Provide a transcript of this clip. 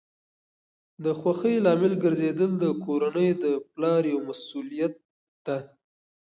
د خوښۍ لامل ګرځیدل د کورنۍ د پلار یوه مسؤلیت ده.